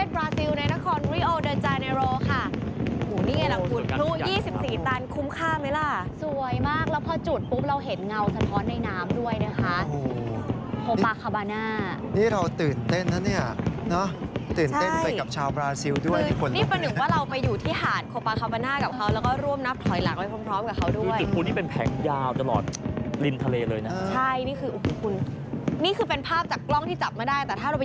สวัสดีสวัสดีสวัสดีสวัสดีสวัสดีสวัสดีสวัสดีสวัสดีสวัสดีสวัสดีสวัสดีสวัสดีสวัสดีสวัสดีสวัสดีสวัสดีสวัสดีสวัสดีสวัสดีสวัสดีสวัสดีสวัสดีสวัสดีสวัสดีสวัสดีสวัสดีสวัสดีสวัสดีสวัสดีสวัสดีสวัสดีสวัสดี